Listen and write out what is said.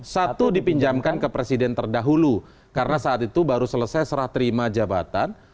satu dipinjamkan ke presiden terdahulu karena saat itu baru selesai serah terima jabatan